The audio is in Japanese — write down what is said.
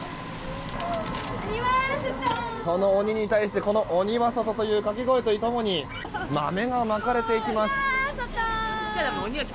その鬼に対して鬼は外という掛け声と共に豆がまかれていきます。